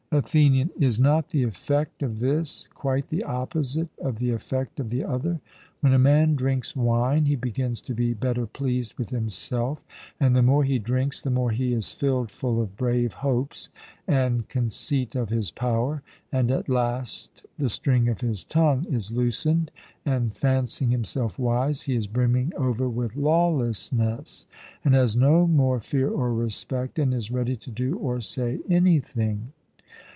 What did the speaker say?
ATHENIAN: Is not the effect of this quite the opposite of the effect of the other? When a man drinks wine he begins to be better pleased with himself, and the more he drinks the more he is filled full of brave hopes, and conceit of his power, and at last the string of his tongue is loosened, and fancying himself wise, he is brimming over with lawlessness, and has no more fear or respect, and is ready to do or say anything.